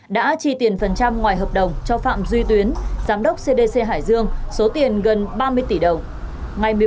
đã chi tiền phần trăm ngoài hợp đồng cho phạm duy tuyến giám đốc cdc hải dương số tiền gần ba mươi tỷ đồng